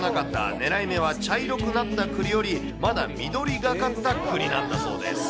狙い目は茶色くなったくりよりまだ緑がかったくりなんだそうです。